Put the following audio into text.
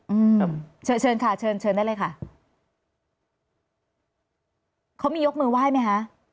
อืมเชิญเชิญค่ะเชิญเชิญได้เลยค่ะเขามียกมือไหว้ไหมคะ